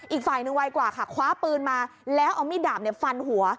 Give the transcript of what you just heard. อีกฝ่ายนึงไวกว่าคว้าก็คว้าปืนมากระสุนและเอามีด่ามฟันหัว